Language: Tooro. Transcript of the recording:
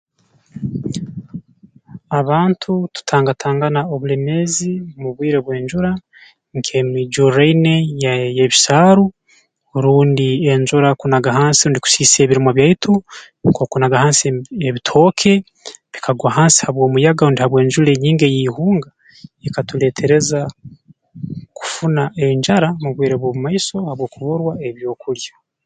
Abantu tutangatangana obulemeezi mu bwire bw'enjura nk'emijurraine ya y'ebisaaru rundi enjura kunaga hansi rundi kusiisa ebirimwa byaitu nk'okunaga hansi em ebitooke bikagwa hansi habw'omuyaga rundi habw'enjura enyingi ey'ihunga ekatuleetereza kufuna enjara mu bwire bw'omu maiso habw'okuburwa ebyokulya